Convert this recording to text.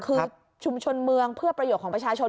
คือชุมชนเมืองเพื่อประโยชน์ของประชาชน